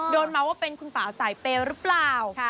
โดนมาว่าเป็นคุณป่าสายเป่หรือเปล่า